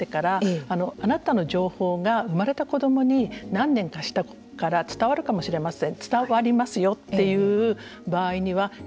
情報開示をしようとなってからあなたの情報が生まれた子どもに何年かしたから伝わるかもしれません。